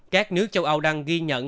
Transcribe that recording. các nước châu âu đang ghi nhận